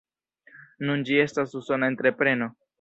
Nun ĝi estas Usona entrepreno.